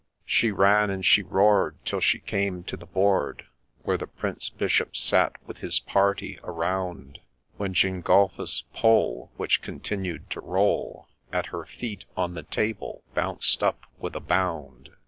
' She ran and she roar'd, till she came to the board Where the Prince Bishop sat with his party around, When Gengulphus's poll, which continued to roll At her heels, on the table bounced up with a bound.